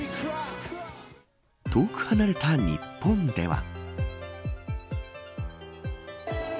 遠く離れた日本では。